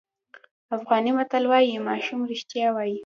افغاني متل وایي ماشوم رښتیا وایي.